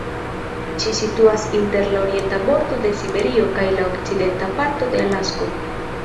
Ĝi situas inter la orienta bordo de Siberio kaj la okcidenta parto de Alasko.